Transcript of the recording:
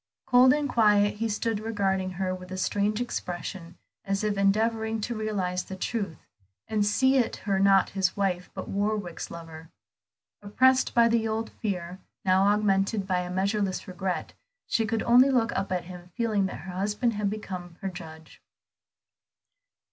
Cold and quiet, he stood regarding her with a strange expression, as if endeavoring to realize the truth, and see in her not his wife but Warwick's lover. Oppressed by the old fear, now augmented by a measureless regret, she could only look up at him feeling that her husband had become her judge.